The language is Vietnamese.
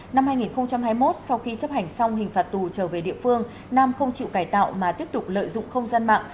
năm hai nghìn hai mươi một sau khi chấp hành xong hình phạt tù trở về địa phương nam không chịu cải tạo mà tiếp tục lợi dụng không gian mạng